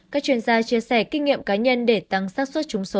các chuyên gia chia sẻ kinh nghiệm cá nhân để tăng sát xuất chúng số